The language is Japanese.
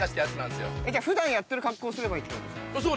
じゃあ普段やってる格好すればいいってことですか？